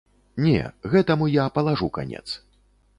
Не, гэтаму я палажу канец.